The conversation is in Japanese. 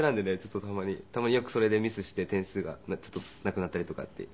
たまによくそれでミスして点数がなくなったりとかっていう。